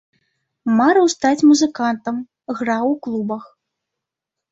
Марыў стаць музыкантам, граў у клубах.